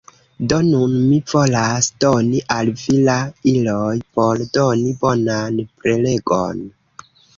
Do nun mi volas doni al vi la iloj por doni bonan prelegon.